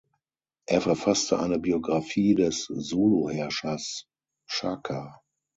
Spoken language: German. Er verfasste eine Biografie des Zulu-Herrschers Shaka.